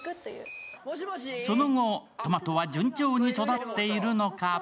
その後、トマトは順調に育っているのか？